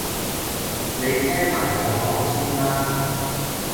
你聽埋我講先啦